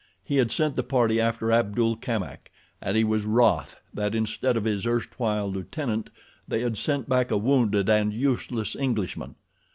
He had sent the party after Abdul Kamak, and he was wroth that instead of his erstwhile lieutenant they had sent back a wounded and useless Englishman.